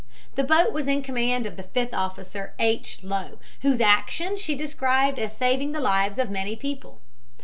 The boat was in command of the fifth officer, H. Lowe, whose actions she described as saving the lives of many people.